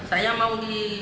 dan di rokok kamu